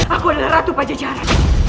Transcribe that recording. aku adalah ratu pajajara